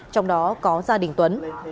trong đó có gia đình tuấn